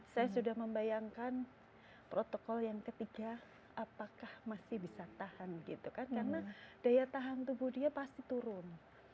saya sudah membayangkan protokol yang ketiga apakah masih bisa tahan gitu kan karena daya tahan tubuh dia pasti turun